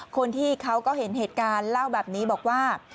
คนที่เขาก็เห็นเหตุการณ์เล่าแบบนี้บอกว่า